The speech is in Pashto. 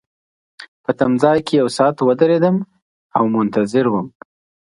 په تمځای کي یو ساعت ودریدم او منتظر وم.